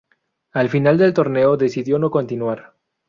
Al final del torneo decidió no continuar.